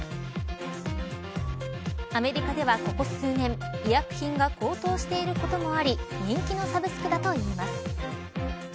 アメリカでは、ここ数年医薬品が高騰していることもあり人気のサブスクだといいます。